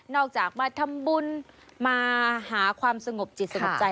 จากมาทำบุญมาหาความสงบจิตสงบใจ